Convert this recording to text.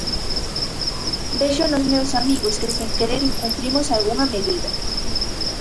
Vexo nos meus amigos que sen querer incumprimos algunha medida.